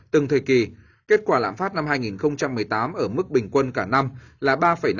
từng thời kỳ kết quả lãm phát năm hai nghìn một mươi tám ở mức bình quân cả năm là ba năm